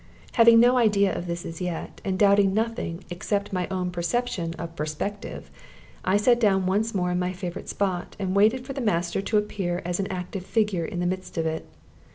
Having no idea of this as yet, and doubting nothing except my own perception of "perspective," I sat down once more in my favorite spot, and waited for the master to appear as an active figure in the midst of it.